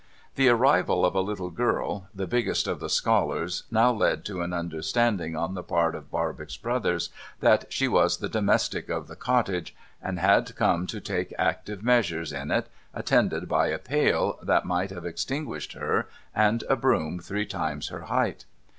The arrival of a little girl, the biggest of the scholars, now led to an understanding on the part of Barbox Brothers, that she was the domestic of the cottage, and had come to take active measures in it, attended by a pail that might have extinguished her, and a broom three times her height.